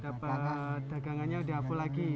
dapat dagangannya udah full lagi